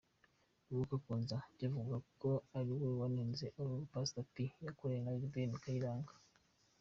Lokua Kanza byavugwaga ko ari we wanenze alubumu Pastor P yakoreye Ben Kayiranga .